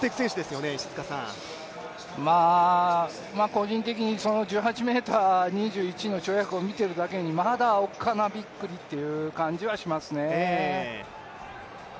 個人的に１８ｍ２１の跳躍を見てるだけにまだおっかなびっくりという感じはしますね。